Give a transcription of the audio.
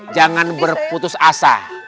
jangan berputus asa